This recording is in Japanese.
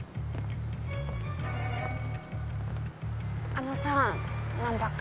あのさ難破君。